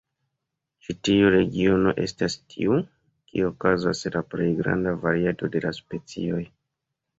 Ĉi tiu regiono estas tiu, kie okazas la plej granda variado de la specioj.